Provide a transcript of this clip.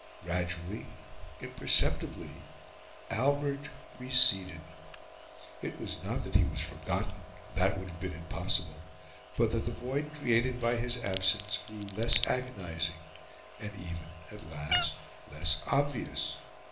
Gradually, imperceptibly, Albert receded. It was not that he was forgotten that would have been impossible but that the void created by his absence grew less agonising, and even, at last, less obvious.